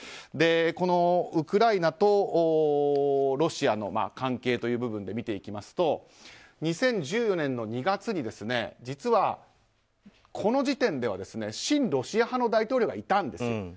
このウクライナとロシアの関係という部分で見ていきますと２０１４年２月実は、この時点では親ロシア派の大統領がいたんです。